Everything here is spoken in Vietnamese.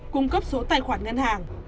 cung cấp số tài khoản ngân hàng